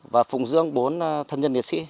và phụng dưỡng bốn thân nhân liệt sĩ